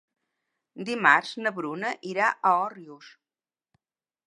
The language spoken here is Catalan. Dimarts na Bruna irà a Òrrius.